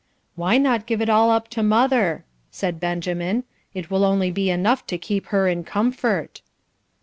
"Why not give it all up to mother?" said Benjamin. "It will only be enough to keep her in comfort."